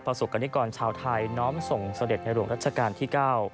สุกกรณิกรชาวไทยน้อมส่งเสด็จในหลวงรัชกาลที่๙